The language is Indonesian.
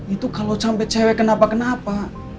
itu kalau sampai cewek kenapa kenapa